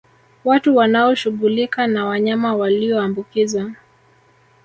Watu wanaoshughulika na wanyama walioambukizwa